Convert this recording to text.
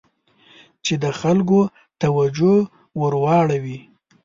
چې د خلکو توجه ور واړوي.